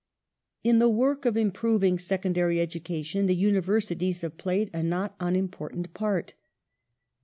^ The Uni In the work of improving secondary education the Univer versities gities have played a not unimportant part.